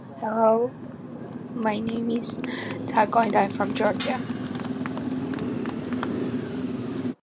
Her ancestors were Priest Kings of the famous temple of Elagabalus.